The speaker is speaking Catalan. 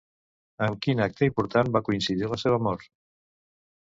Amb quin acte important va coincidir la seva mort?